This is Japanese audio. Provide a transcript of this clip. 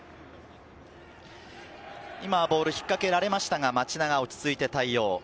今ボールを引っ掛けられましたが、町田が落ち着いて対応。